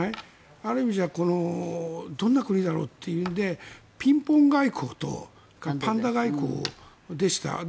ある意味じゃどんな国だろうということでピンポン外交とパンダ外交でした。